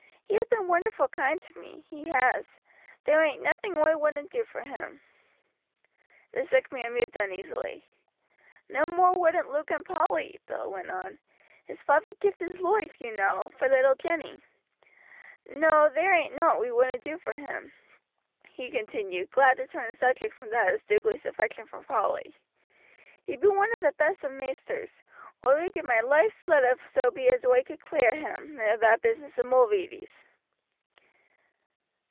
He has been wonderful kind to me, he has; there ain't nothing oi wouldn't do for him." The sick man moved uneasily. "No more wouldn't Luke and Polly," Bill went on. "His father gived his loife, you know, for little Jenny. No, there ain't nowt we wouldn't do for him," he continued, glad to turn the subject from that of Stukeley's affection for Polly. "He be one of the best of maisters. Oi would give my life's blood if so be as oi could clear him of that business of Mulready's."